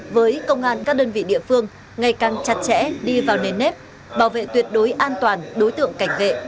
với công an các đơn vị địa phương ngày càng chặt chẽ đi vào nền nếp bảo vệ tuyệt đối an toàn đối tượng cảnh vệ